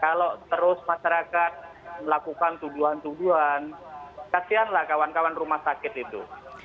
kalau terus masyarakat melakukan tuduhan tuduhan kasihanlah kawan kawan rumah sakit itu